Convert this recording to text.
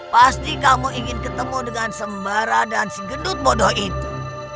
pasti kamu ingin ketemu dengan sembara dan segenut bodoh itu